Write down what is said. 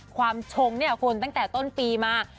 ความชงตั้งแต่ต้นปีมา